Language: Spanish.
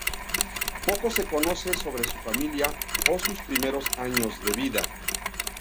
Poco se conoce sobre su familia o sus primeros años de vida.